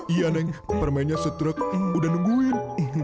iya neng permennya setruk udah nungguin